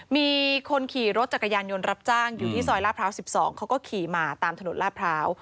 มีคนขี่รถจักรยานยนต์รับจ้างอยู่ที่ซอยลาดพร้าว๑๒เขาก็ขี่มาตามถนนลาดพร้าว